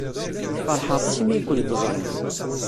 Feṛḥeɣ aṭas imi ay kent-ẓriɣ.